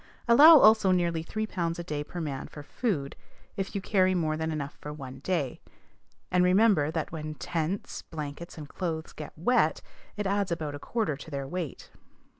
Allow also nearly three pounds a day per man for food, if you carry more than enough for one day; and remember, that when tents, blankets, and clothes get wet, it adds about a quarter to their weight.